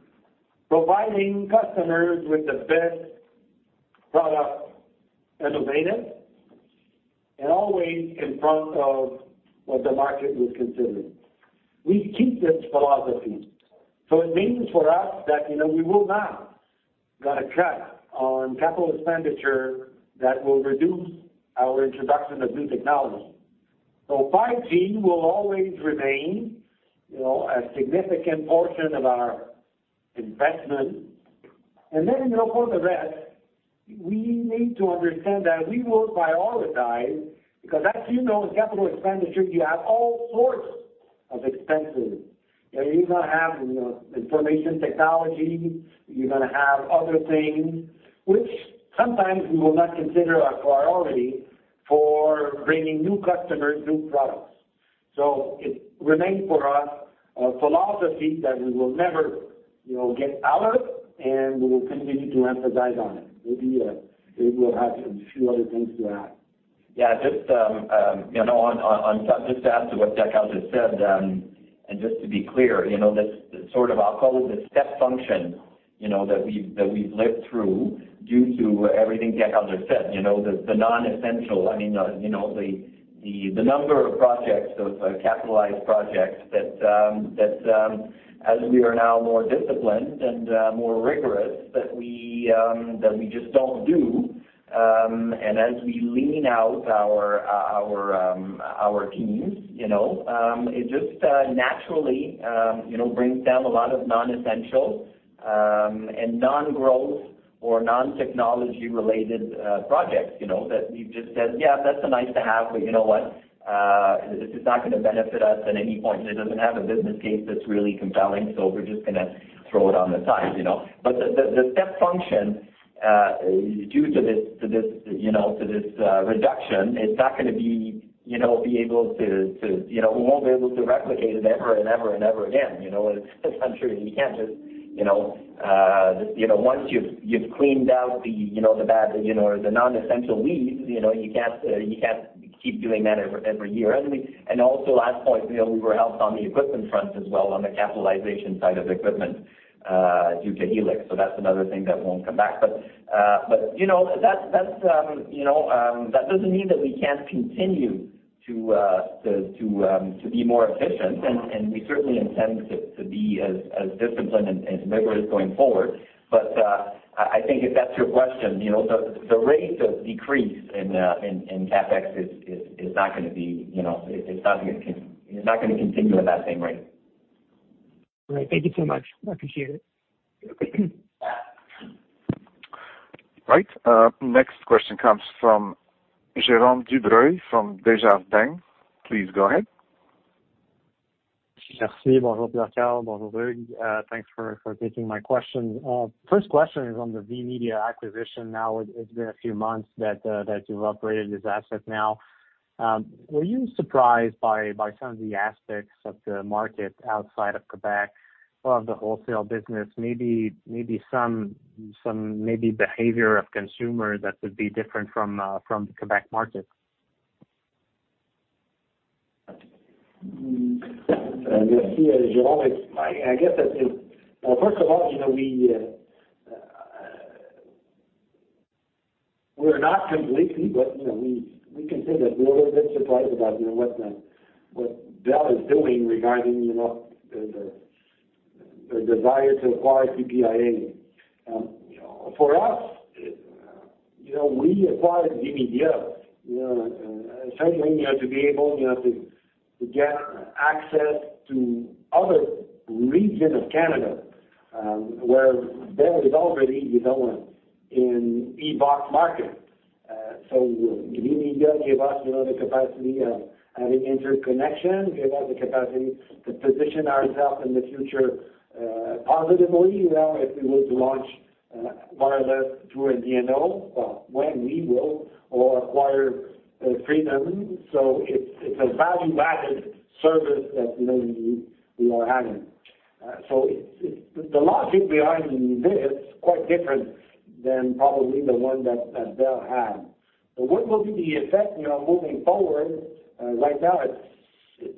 providing customers with the best product available and always in front of what the market was considering. We keep this philosophy. It means for us that, you know, we will not gonna cut on capital expenditure that will reduce our introduction of new technology. 5G will always remain, you know, a significant portion of our investment. You know, for the rest, we need to understand that we will prioritize because as you know, in capital expenditure, you have all sorts of expenses. You're gonna have, you know, information technology. You're gonna have other things, which sometimes we will not consider a priority for bringing new customers, new products. It remains for us a philosophy that we will never, you know, get out of, and we will continue to emphasize on it. Maybe Hugues, you have some few other things to add. Yeah, just you know on just to add to what Pierre Karl has just said, and just to be clear, you know, this sort of, I'll call it the step function, you know, that we've lived through due to everything Pierre Karl has just said. You know, the non-essential. I mean, you know, the number of projects, those capitalized projects that, as we are now more disciplined and more rigorous, that we just don't do. As we lean out our teams, you know, it just naturally, you know, brings down a lot of non-essential, and non-growth or non-technology related projects, you know, that we've just said, "Yeah, that's a nice to have, but you know what? This is not gonna benefit us at any point. It doesn't have a business case that's really compelling, so we're just gonna throw it on the side, you know? The step function due to this reduction, it's not gonna be able to. You know, we won't be able to replicate it ever again, you know? It's not true. You can't just, you know, once you've cleaned out the bad or the non-essential leaves, you know, you can't keep doing that every year. Also last point, you know, we were helped on the equipment front as well on the capitalization side of equipment due to Helix. So that's another thing that won't come back. You know, that's you know, that doesn't mean that we can't continue to be more efficient. We certainly intend to be as disciplined and rigorous going forward. I think if that's your question, you know, the rate of decrease in CapEx is not gonna be, you know, it's not gonna continue at that same rate. All right. Thank you so much. I appreciate it. You're welcome. Right. Next question comes from Jérome Dubreuil from Desjardins. Please go ahead. Thanks for taking my question. First question is on the VMedia acquisition. Now it's been a few months that you've operated this asset now. Were you surprised by some of the aspects of the market outside of Quebec or of the wholesale business? Maybe some behavior of consumers that would be different from the Quebec market. Well, first of all, you know, we're not completely, but, you know, we can say that we're a little bit surprised about, you know, what Bell is doing regarding, you know, the desire to acquire TPIA. For us, you know, we acquired VMedia, you know, certainly, you know, to be able, you know, to get access to other regions of Canada, where Bell is already, you know, in EBOX market. So VMedia gave us, you know, the capacity of having interconnection, gave us the capacity to position ourselves in the future positively, you know, if we were to launch more or less through an MVNO, well, when we will or acquire Freedom. It's a value-added service that, you know, we are having. The logic behind this is quite different than probably the one that Bell had. What will be the effect, you know, moving forward, right now it's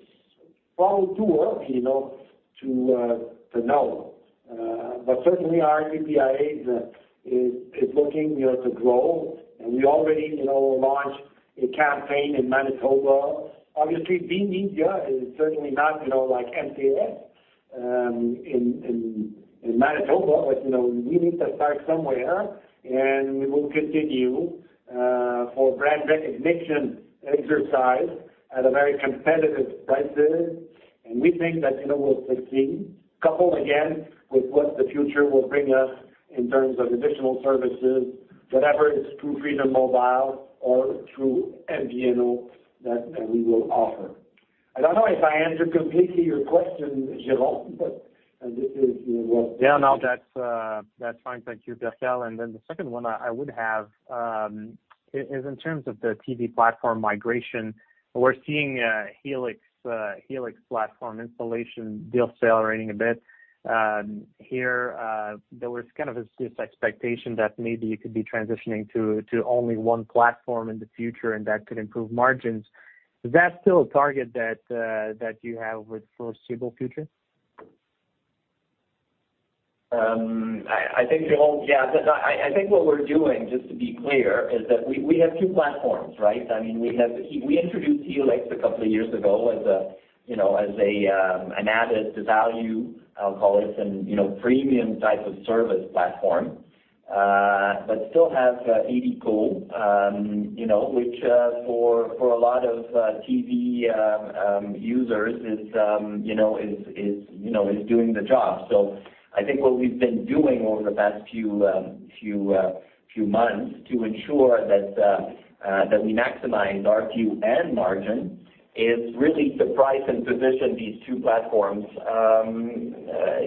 probably too early, you know, to know. Certainly our TPIA is looking, you know, to grow, and we already, you know, launched a campaign in Manitoba. Obviously, VMedia is certainly not, you know, like MTS in Manitoba, but, you know, we need to start somewhere, and we will continue for brand recognition exercise at a very competitive prices. We think that, you know, we'll succeed, coupled again with what the future will bring us in terms of additional services, whatever is through Freedom Mobile or through MVNO that we will offer. I don't know if I answered completely your question, Jérome, but this is, you know, what Yeah. No, that's fine. Thank you, Pierre Karl. The second one I would have is in terms of the TV platform migration. We're seeing Helix platform installation deal accelerating a bit here. There was kind of this expectation that maybe you could be transitioning to only one platform in the future, and that could improve margins. Is that still a target that you have in the foreseeable future? I think, Jérome, yeah, what we're doing, just to be clear, is that we have two platforms, right? I mean, we introduced Helix a couple of years ago as, you know, an added value, I'll call it, and, you know, premium type of service platform, but still have illico, you know, which, for a lot of TV users, is, you know, doing the job. I think what we've been doing over the past few months to ensure that we maximize ARPU and margin is really to price and position these two platforms,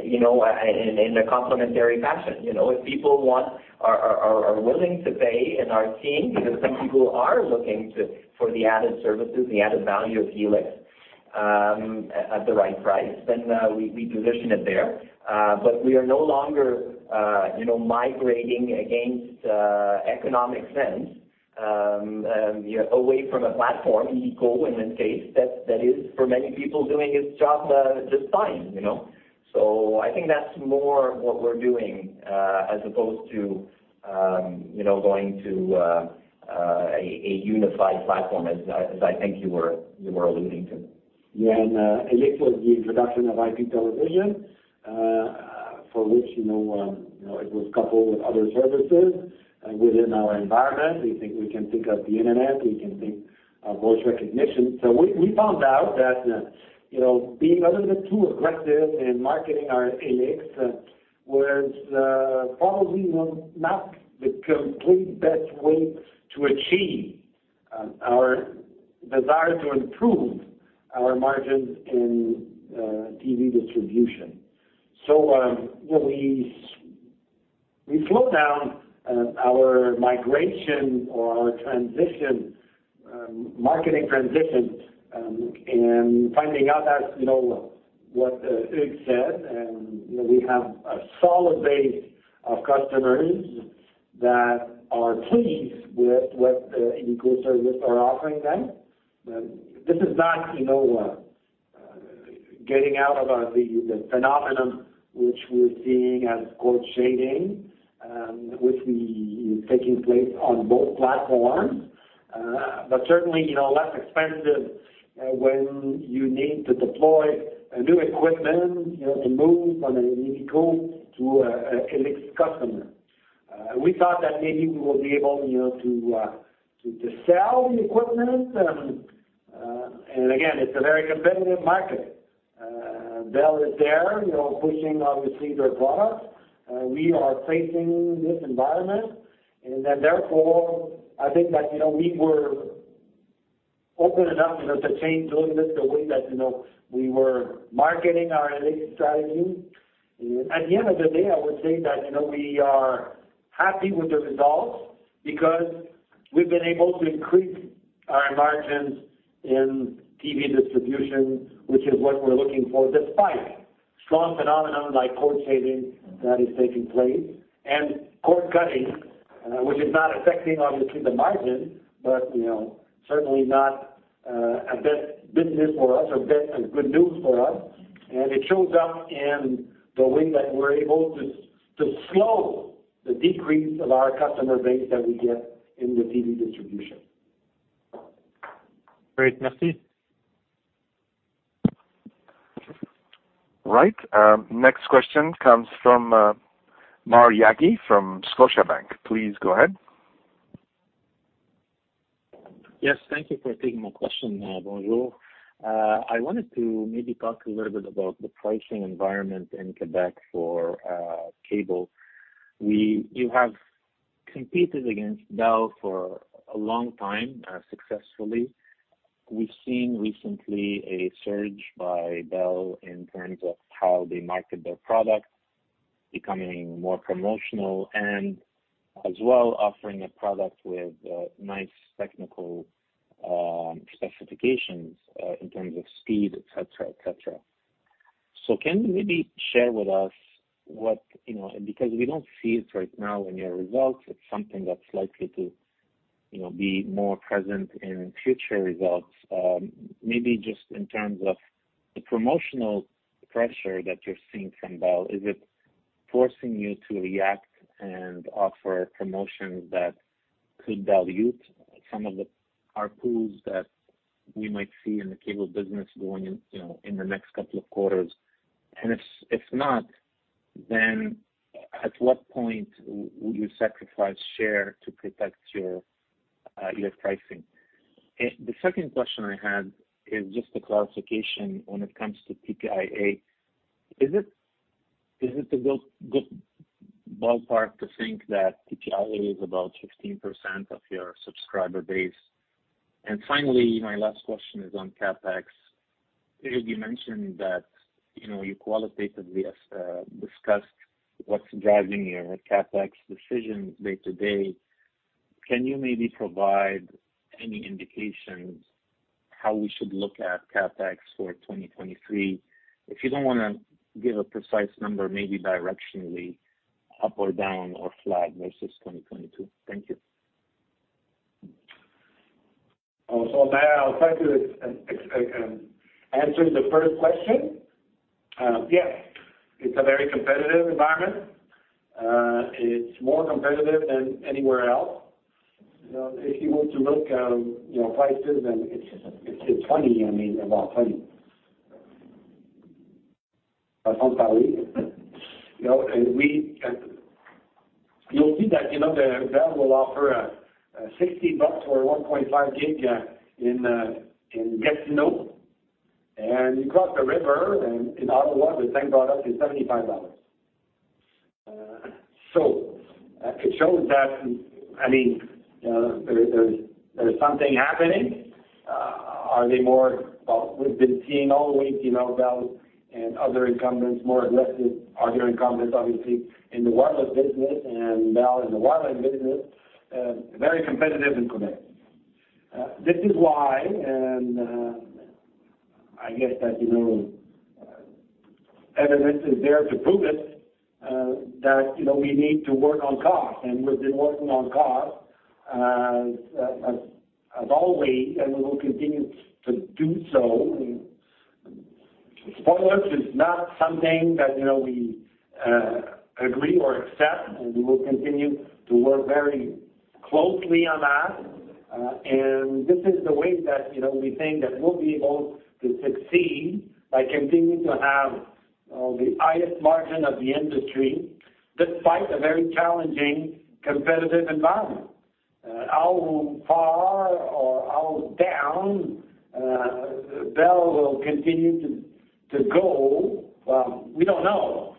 you know, in a complementary fashion. You know, if people want or are willing to pay and are seeing, because some people are looking for the added services, the added value of Helix at the right price, then we position it there. We are no longer, you know, migrating against economic sense, you know, away from a platform, illico in this case, that is for many people doing its job just fine, you know. I think that's more what we're doing as opposed to, you know, going to a unified platform as I think you were alluding to. Yeah. Helix was the introduction of IP television, for which, you know, it was coupled with other services within our environment. We can think of the Internet, we can think of voice recognition. We found out that being a little bit too aggressive in marketing our Helix was probably not the complete best way to achieve our desire to improve our margins in TV distribution. We slowed down our migration or our transition, marketing transition, and finding out that what Hugues said, and we have a solid base of customers that are pleased with what illico service are offering them. This is not, you know, getting out of the phenomenon which we're seeing as cord-shaving, which is taking place on both platforms. Certainly, you know, less expensive when you need to deploy new equipment, you know, to move from an illico to a Helix customer. We thought that maybe we will be able, you know, to sell the equipment. Again, it's a very competitive market. Bell is there, you know, pushing obviously their product. We are facing this environment and then therefore I think that, you know, we were open enough, you know, to change, doing this the way that, you know, we were marketing our Helix strategy. At the end of the day, I would say that, you know, we are happy with the results because we've been able to increase our margins in TV distribution, which is what we're looking for, despite strong phenomenon like cord-shaving that is taking place, and cord-cutting, which is not affecting obviously the margin, but, you know, certainly not, a bad business for us or bad, good news for us. It shows up in the way that we're able to slow the decrease of our customer base that we get in the TV distribution. Great. Merci. Right. Next question comes from Maher Yaghi from Scotiabank. Please go ahead. Yes, thank you for taking my question. Bonjour. I wanted to maybe talk a little bit about the pricing environment in Quebec for cable. You have competed against Bell for a long time, successfully. We've seen recently a surge by Bell in terms of how they market their product, becoming more promotional and as well offering a product with a nice technical specifications in terms of speed, et cetera. Can you maybe share with us what, you know, because we don't see it right now in your results, it's something that's likely to, you know, be more present in future results. Maybe just in terms of the promotional pressure that you're seeing from Bell, is it forcing you to react and offer promotions that could dilute some of the ARPU that we might see in the cable business going in, you know, in the next couple of quarters? And if not, then at what point will you sacrifice share to protect your your pricing? And the second question I had is just a clarification when it comes to TPIA. Is it a good ballpark to think that TPIA is about 16% of your subscriber base? And finally, my last question is on CapEx. You mentioned that, you know, you qualitatively as discussed what's driving your CapEx decision day-to-day. Can you maybe provide any indications how we should look at CapEx for 2023? If you don't wanna give a precise number, maybe directionally up or down or flat versus 2022. Thank you. Maher, I'll try to answer the first question. Yes, it's a very competitive environment. It's more competitive than anywhere else. You know, if you want to look at, you know, prices and it's funny, I mean, about funny. You know, and we. You'll see that, you know, Bell will offer 60 bucks for 1.5 Gb in Gatineau, and you cross the river and in Ottawa, the same product is 75 dollars. So it shows that, I mean, there's something happening. Well, we've been seeing all the way, you know, Bell and other incumbents more aggressive, other incumbents obviously in the wireless business and Bell in the wireless business, very competitive in Quebec. This is why and, I guess that, you know, evidence is there to prove it, that, you know, we need to work on cost, and we've been working on cost, as always, and we will continue to do so. Spoilers is not something that, you know, we agree or accept, and we will continue to work very closely on that. This is the way that, you know, we think that we'll be able to succeed by continuing to have the highest margin of the industry despite a very challenging competitive environment. How far or how down Bell will continue to go, we don't know.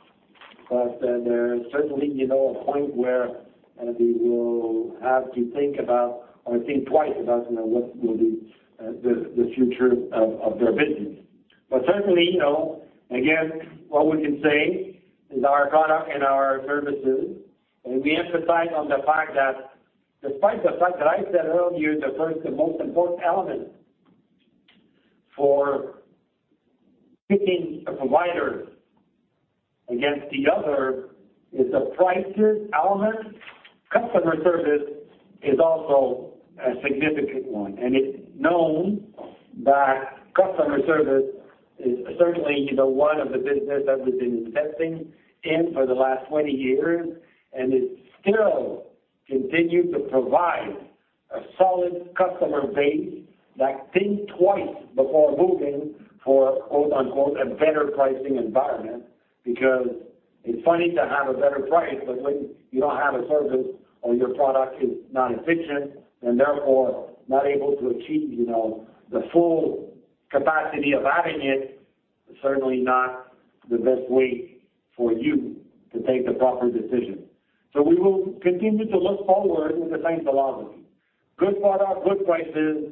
There's certainly, you know, a point where they will have to think about or think twice about, you know, what will be the future of their business. Certainly, you know, again, what we can say is our product and our services, and we emphasize on the fact that despite the fact that I said earlier, the first and most important element for picking a provider against the other is the prices element. Customer service is also a significant one, and it's known that customer service is certainly, you know, one of the business that we've been investing in for the last 20 years, and it still continues to provide a solid customer base that think twice before moving for, quote-unquote, "a better pricing environment." Because it's funny to have a better price, but when you don't have a service or your product is not efficient and therefore not able to achieve, you know, the full capacity of having it, certainly not the best way for you. To take the proper decision. We will continue to look forward with the same philosophy. Good product, good prices,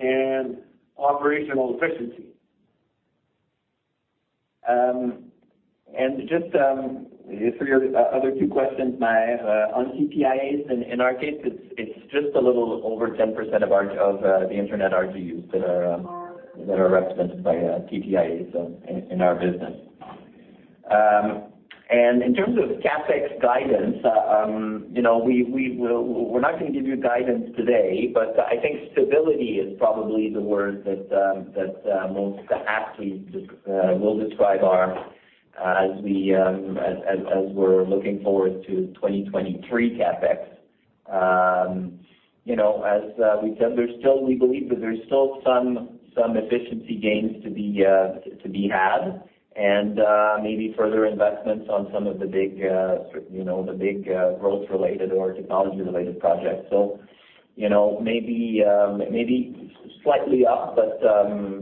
and operational efficiency. And just for your other two questions, my on TPIAs in our case, it's just a little over 10% of our of the Internet RGUs that are that are represented by TPIAs in our business. And in terms of CapEx guidance, you know, we're not gonna give you guidance today, but I think stability is probably the word that most aptly will describe our as we're looking forward to 2023 CapEx. You know, we said, we believe that there's still some efficiency gains to be had and maybe further investments on some of the big growth-related or technology-related projects. You know, maybe slightly up, but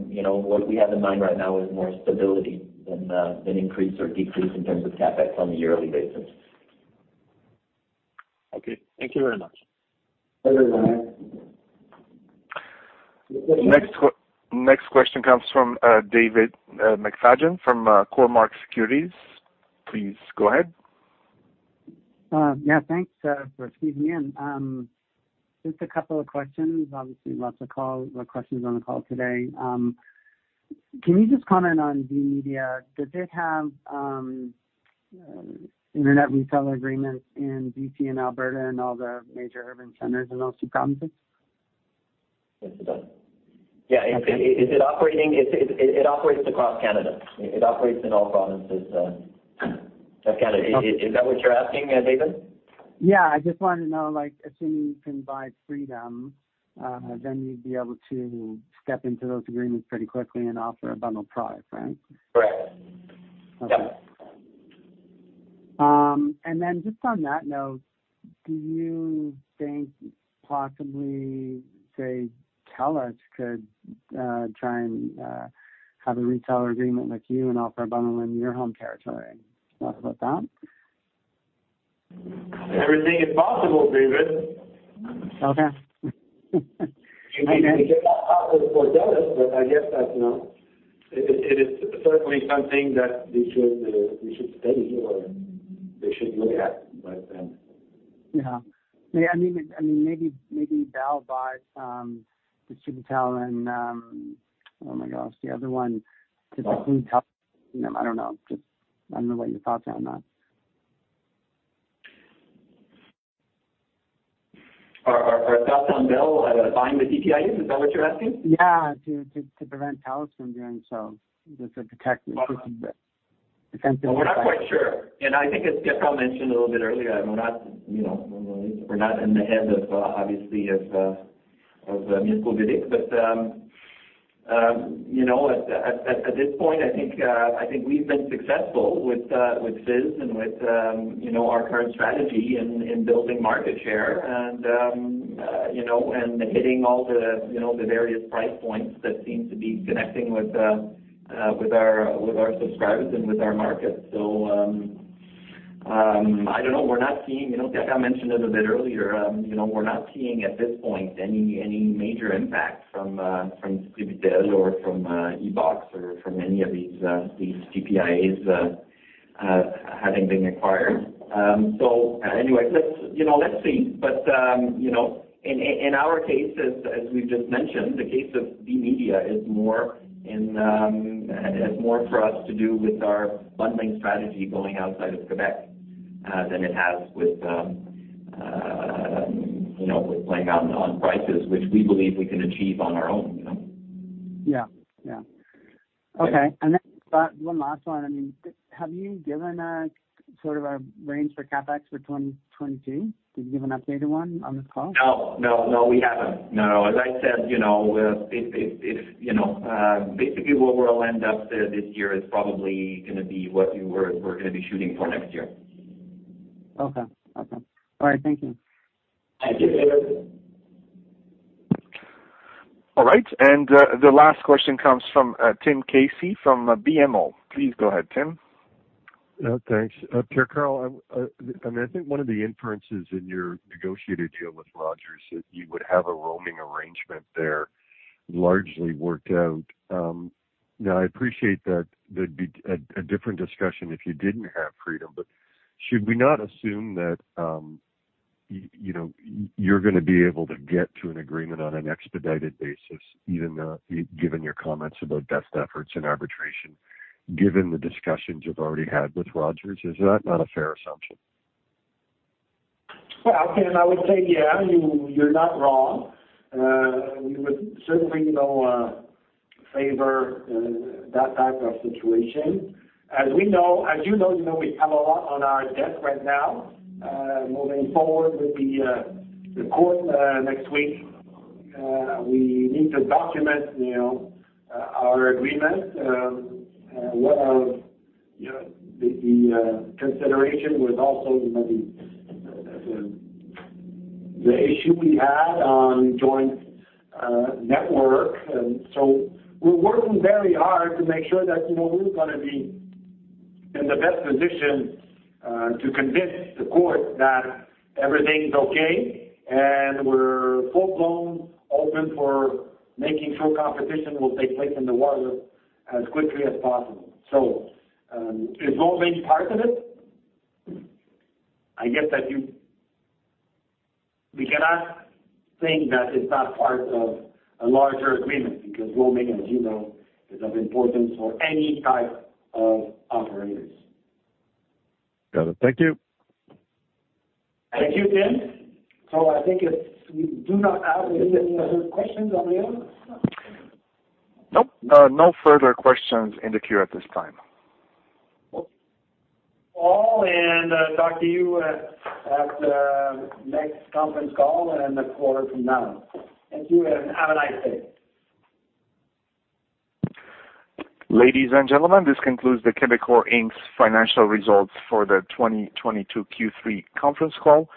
you know, what we have in mind right now is more stability than increase or decrease in terms of CapEx on a yearly basis. Okay. Thank you very much. Thank you, Maher. Next question comes from David McFadgen from Cormark Securities. Please go ahead. Yeah, thanks for squeezing me in. Just a couple of questions. Obviously, lots of calls or questions on the call today. Can you just comment on VMedia? Did they have Internet reseller agreements in BC and Alberta and all the major urban centers in those two provinces? Yes, they do. Yeah. Is it operating? It operates across Canada. It operates in all provinces of Canada. Is that what you're asking, David? Yeah. I just wanted to know, like, assuming you can buy Freedom, then you'd be able to step into those agreements pretty quickly and offer a bundled product, right? Correct. Okay. Just on that note, do you think possibly, say, TELUS could try and have a retailer agreement like you and offer a bundle in your home territory? Any thoughts about that? Everything is possible, David. Okay. It may not happen for TELUS, but I guess that's, you know. It is certainly something that they should study or look at, but. Yeah, I mean, maybe Bell buys Distributel and, oh my gosh, the other one. Could they please tell? You know, I don't know. Just wondering what your thoughts are on that. Our thoughts on Bell buying the TPIAs? Is that what you're asking? Yeah. To prevent TELUS from doing so. Just to protect the existing bit. Defensive effect. Well, we're not quite sure. I think as Pierre Karl mentioned a little bit earlier, we're not, you know, we're not in the head of obviously Mirko Bibic. You know, at this point, I think we've been successful with Fizz and with, you know, our current strategy in building market share and, you know, and hitting all the, you know, the various price points that seem to be connecting with our subscribers and with our markets. I don't know. We're not seeing. You know, Pierre Karl mentioned it a bit earlier. You know, we're not seeing at this point any major impact from Distributel or from EBOX or from any of these TPIAs having been acquired. Anyways, you know, let's see. You know, in our case, as we've just mentioned, the case of VMedia has more for us to do with our bundling strategy going outside of Quebec than it has with you know with playing out on prices, which we believe we can achieve on our own, you know? Yeah. Yeah. Okay. One last one. I mean, have you given a sort of a range for CapEx for 2022? Did you give an updated one on this call? No, we haven't. As I said, you know, if you know, basically, where we'll end up this year is probably gonna be what we're gonna be shooting for next year. Okay. All right, thank you. Thank you, David. All right. The last question comes from Tim Casey from BMO. Please go ahead, Tim. Yeah, thanks. Pierre Karl, I mean, I think one of the inferences in your negotiated deal with Rogers is you would have a roaming arrangement there largely worked out. Now, I appreciate that there'd be a different discussion if you didn't have Freedom, but should we not assume that you know, you're gonna be able to get to an agreement on an expedited basis, even given your comments about best efforts and arbitration, given the discussions you've already had with Rogers? Is that not a fair assumption? Well, Tim, I would say, yeah, you're not wrong. We would certainly, you know, favor that type of situation. As you know, we have a lot on our desk right now, moving forward with the court next week. We need to document, you know, our agreement. One of, you know, the consideration was also, you know, the issue we had on joint network. We're working very hard to make sure that, you know, we're gonna be in the best position to convince the court that everything's okay and we're full-blown open for making sure competition will take place in the wireless as quickly as possible. Is roaming part of it? I get that you... We cannot think that it's not part of a larger agreement because roaming, as you know, is of importance for any type of operators. Got it. Thank you. Thank you, Tim. I think if we do not have any other questions on the air? Nope. No further questions in the queue at this time. Cool. Talk to you at the next conference call and the quarter from now. Thank you, and have a nice day. Ladies and gentlemen, this concludes the Quebecor Inc.'s financial results for the 2022 Q3 conference call.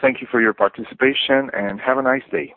Thank you for your participation, and have a nice day.